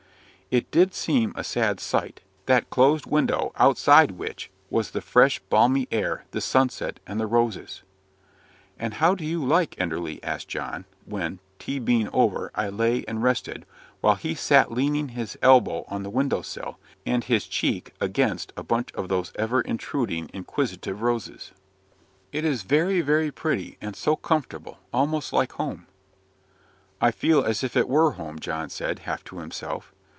It did seem a sad sight that closed window, outside which was the fresh, balmy air, the sunset, and the roses. "And how do you like Enderley?" asked John, when, tea being over, I lay and rested, while he sat leaning his elbow on the window sill, and his cheek against a bunch of those ever intruding, inquisitive roses. "It is very, very pretty, and so comfortable almost like home." "I feel as if it were home," John said, half to himself.